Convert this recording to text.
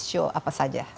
siu apa saja